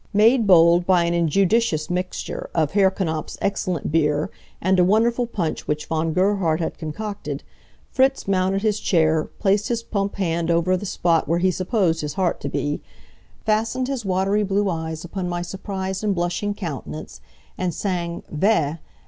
Made bold by an injudicious mixture of Herr Knapf's excellent beer, and a wonderful punch which Von Gerhard had concocted, Fritz mounted his chair, placed his plump hand over the spot where he supposed his heart to be, fastened his watery blue eyes upon my surprised and blushing countenance, and sang "Weh!